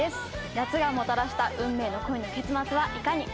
夏がもたらした運命の恋の結末はいかに。